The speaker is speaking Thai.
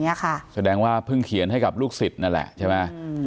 เนี้ยค่ะแสดงว่าเพิ่งเขียนให้กับลูกศิษย์นั่นแหละใช่ไหมอืม